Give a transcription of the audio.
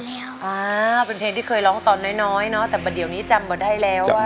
คุณยายแดงคะทำไมต้องซื้อลำโพงและเครื่องเสียง